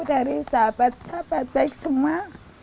dari sahabat sahabat baik semua